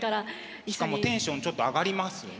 しかもテンションちょっと上がりますよね。